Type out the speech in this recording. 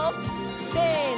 せの！